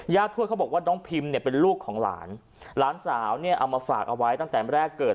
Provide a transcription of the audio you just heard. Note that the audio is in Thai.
ทวดเขาบอกว่าน้องพิมเนี่ยเป็นลูกของหลานหลานสาวเนี่ยเอามาฝากเอาไว้ตั้งแต่แรกเกิด